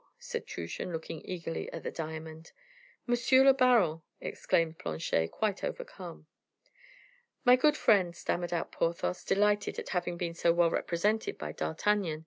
said Truchen, looking eagerly at the diamond. "Monsieur le baron!" exclaimed Planchet, quite overcome. "My good friend," stammered out Porthos, delighted at having been so well represented by D'Artagnan.